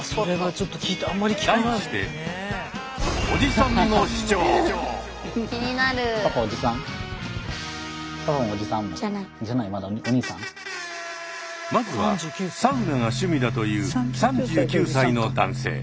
題してまずはサウナが趣味だという３９歳の男性。